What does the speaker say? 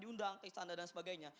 dihundang keistanda dan sebagainya